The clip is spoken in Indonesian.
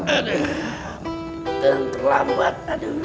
aduh ustadz terlambat